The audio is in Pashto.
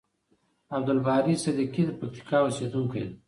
عبدالباری صدیقی د پکتیکا اوسیدونکی یم.